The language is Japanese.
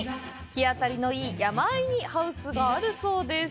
日当たりのよい山合いにハウスがあるそうです。